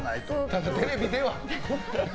ただテレビでは。